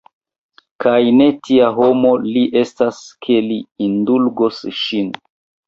Kaj ne tia homo li estas, ke li indulgos ŝin!